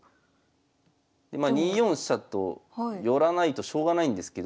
まあ２四飛車と寄らないとしょうがないんですけど。